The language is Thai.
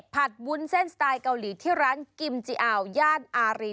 วุ้นเส้นสไตล์เกาหลีที่ร้านกิมจิอาวย่านอารี